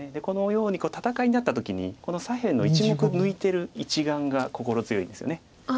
このように戦いになった時にこの左辺の１目抜いてる一眼が心強いんですよね。